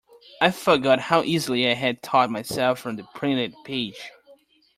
I forgot how easily I had taught myself from the printed page.